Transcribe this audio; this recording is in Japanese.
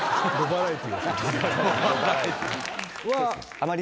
あまり。